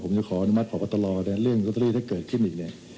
ผมจะขออนุมัติพอปฎรเนี่ยเรื่องก็ตรีถ้าเกิดขึ้นอีกเนี่ย